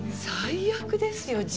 最悪ですよ